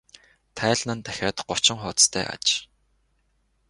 Тайлан нь дахиад гучин хуудастай аж.